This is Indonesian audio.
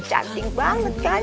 cantik banget kan